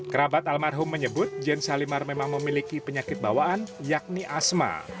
kerabat almarhum menyebut jane salimar memang memiliki penyakit bawaan yakni asma